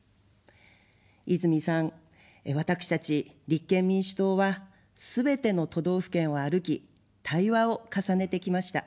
泉さん、私たち立憲民主党は、すべての都道府県を歩き、対話を重ねてきました。